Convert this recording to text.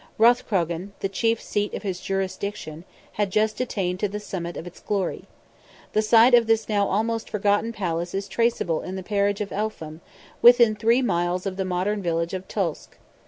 Rathcrogan, the chief seat of his jurisdiction, had just attained to the summit of its glory. The site of this now almost forgotten palace is traceable in the parish of Elphin, within three miles of the modern village of Tulsk.